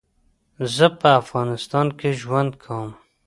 زه په افغانستان کي ژوند کوم